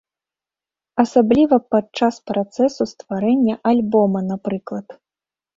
Асабліва падчас працэсу стварэння альбома, напрыклад.